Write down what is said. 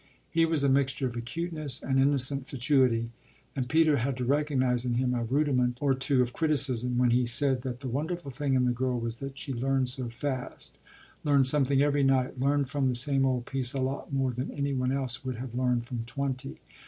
He was a mixture of acuteness and innocent fatuity; and Peter had to recognise in him a rudiment or two of criticism when he said that the wonderful thing in the girl was that she learned so fast learned something every night, learned from the same old piece a lot more than any one else would have learned from twenty.